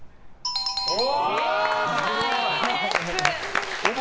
正解です！